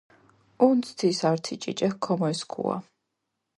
ჸუნდჷ თის ართი ჭიჭე ქომოლისქუა.